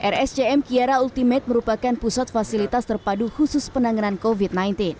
rscm kiara ultimate merupakan pusat fasilitas terpadu khusus penanganan covid sembilan belas